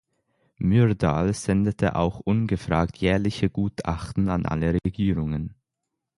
Myrdal sendete auch ungefragt jährliche Gutachten an alle Regierungen.